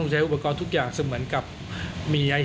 การเดินทางไปรับน้องมินครั้งนี้ทางโรงพยาบาลเวทธานีไม่มีการคิดค่าใช้จ่ายใด